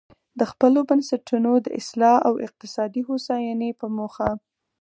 د خپلو بنسټونو د اصلاح او اقتصادي هوساینې په موخه.